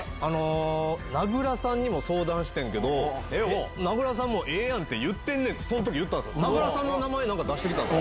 名倉さんにも相談してんけど、名倉さんもええやんって言ってんねんって、名倉さんの名前、なんか出してきたんです。